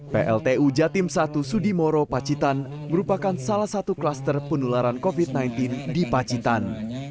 pltu jatim satu sudimoro pacitan merupakan salah satu kluster penularan covid sembilan belas di pacitan